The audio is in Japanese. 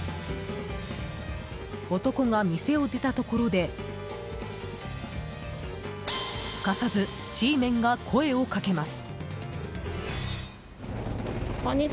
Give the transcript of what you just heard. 男が店を出たところですかさずＧメンが声をかけます。